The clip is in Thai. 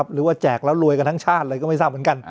แจกแล้วรวยกันทั้งชาติเลยก็ไม่ทราบเหมือนกัน